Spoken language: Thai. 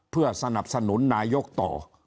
เพื่อสนับสนุนนายกต่อ